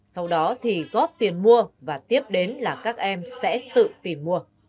sau đó thì góp tiền mua và tiếp đến là các em sẽ tự tìm mua